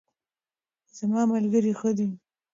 زما ملګرۍ ښه دی